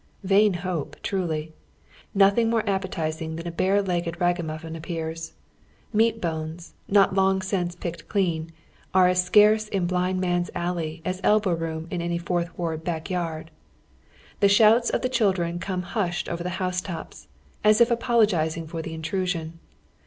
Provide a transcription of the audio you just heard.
'' Vain iiope, truly! Nothing more ap petizing than a bare legged ragamuffin appears. Meat bones, not long since picked clean, are as scarce in Blind Man's Alley as elbow room in any Fourtli Ward back yard. The shouts of the children come hushed over the house tops, as if apologizing for the intrusion.